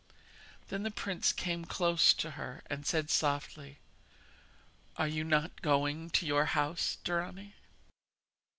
Then the prince came close to her and said softly: 'Are you not going to your house, Dorani?'